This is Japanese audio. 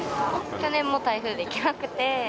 去年も台風で行けなくて。